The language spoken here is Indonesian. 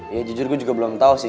ya jujur gue juga belum tahu sih